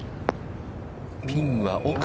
ピンは奥。